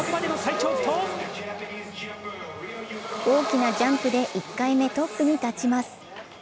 大きなジャンプで１回目トップに立ちます。